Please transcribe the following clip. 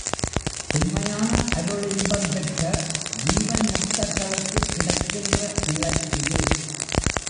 உண்மையான அருள் இன்பம் பெற்ற ஜீவன் முக்தர்களுக்குக் கிடைக்கின்ற நிலை இது.